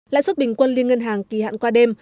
lãi suất bình quân liên ngân hàng kỳ hạn qua đêm